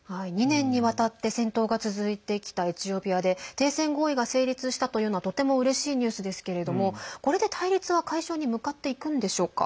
２年にわたって戦闘が続いてきたエチオピアで停戦合意が成立したというのはとてもうれしいニュースですけれどもこれで対立は解消に向かっていくんでしょうか。